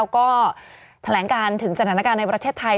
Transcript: ก็แถลงการถึงสถานการณ์ในประเทศไทย